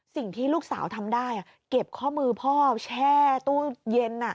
สิ่งที่ลูกสาวทำได้เก็บข้อมือพ่อแช่ตู้เย็น